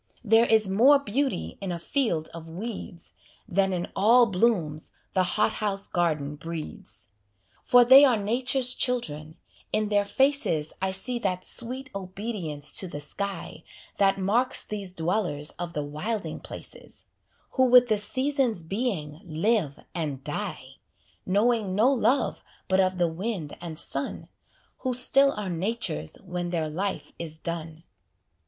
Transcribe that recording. There is more beauty in a field of weeds Than in all blooms the hothouse garden breeds. For they are nature's children; in their faces I see that sweet obedience to the sky That marks these dwellers of the wilding places, Who with the season's being live and die; Knowing no love but of the wind and sun, Who still are nature's when their life is done.